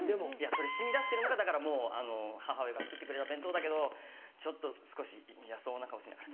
それ染み出してるのがだから母親が作ってくれた弁当だけど少しイヤそうな顔しながら。